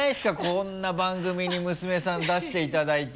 こんな番組に娘さん出していただいて。